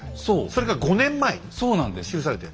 それが５年前に記されている。